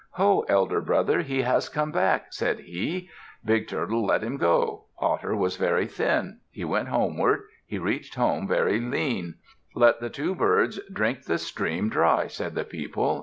"Ho! elder brother, he has come back," said he. Big Turtle let him go. Otter was very thin. He went homeward. He reached home very lean. "Let the two birds drink the stream dry," said the people.